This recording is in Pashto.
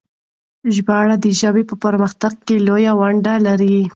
ژباړه د ژبې په پرمختګ کې لويه ونډه لري.